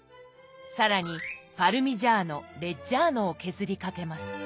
更にパルミジャーノ・レッジャーノを削りかけます。